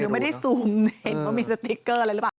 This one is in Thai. คือไม่ได้ซูมเห็นว่ามีสติ๊กเกอร์อะไรหรือเปล่า